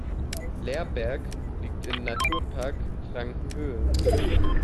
Lehrberg liegt im Naturpark Frankenhöhe.